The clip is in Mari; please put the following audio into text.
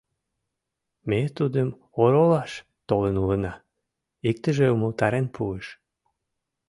Ме тудым оролаш толын улына, — иктыже умылтарен пуыш.